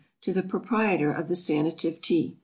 To the Proprietor of the SANATIVE TEA.